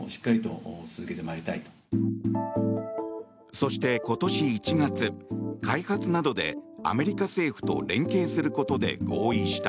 そして、今年１月開発などでアメリカ政府と連携することで合意した。